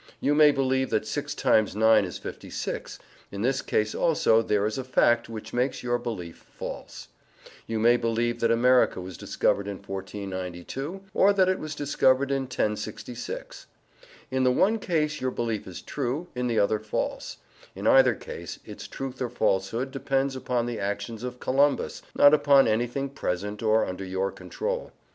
You may believe that six times nine is fifty six; in this case also there is a fact which makes your belief false. You may believe that America was discovered in 1492, or that it was discovered in 1066. In the one case your belief is true, in the other false; in either case its truth or falsehood depends upon the actions of Columbus, not upon anything present or under your control.